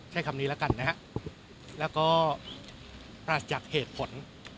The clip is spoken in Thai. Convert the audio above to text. ใช้คำนี้แล้วกันนะฮะแล้วก็ปราศจากเหตุผล